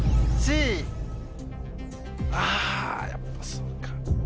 やっぱそっか。